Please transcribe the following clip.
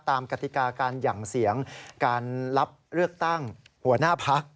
กติกาการหยั่งเสียงการรับเลือกตั้งหัวหน้าพัก